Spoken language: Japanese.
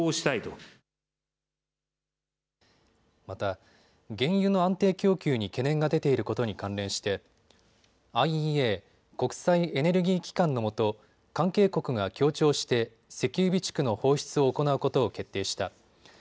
また、原油の安定供給に懸念が出ていることに関連してＩＥＡ・国際エネルギー機関のもと関係国が協調して石油備蓄の放出を行うことを決定した。